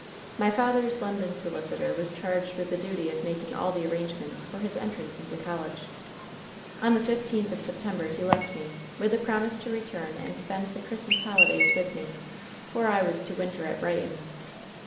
My father's London solicitor was charged with the duty of making all the arrangements for his entrance into college, "On the fifteenth of September he left me, with the promise to return and spend the Christmas holidays with me, for I was to winter at Brighton.